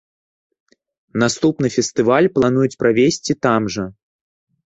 Наступны фестываль плануюць правесці там жа.